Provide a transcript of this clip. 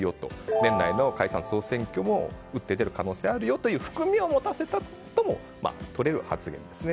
年内の解散・総選挙も打って出る可能性もあるよと含みを持たせたともとれる発言ですね。